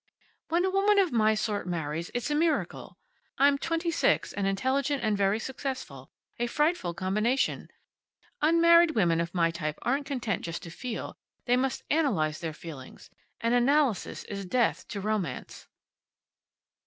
"When a woman of my sort marries it's a miracle. I'm twenty six, and intelligent and very successful. A frightful combination. Unmarried women of my type aren't content just to feel. They must analyze their feelings. And analysis is death to romance."